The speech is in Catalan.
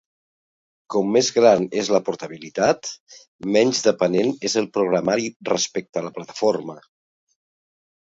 Com més gran és la portabilitat, menys dependent és el programari respecte a la plataforma.